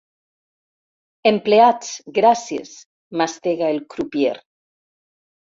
Empleats, gràcies! —mastega el crupier.